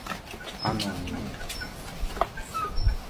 anônima